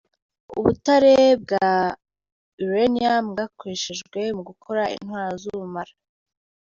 Ubutare bwa Uranium bwakoreshejwe mu gukora intwaro z’ubumara.